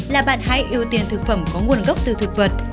là bạn hãy ưu tiên thực phẩm có nguồn gốc từ thực vật